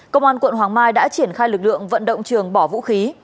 công an quận hoàng mai đã triển khai lực lượng vận động trường bỏ vũ khí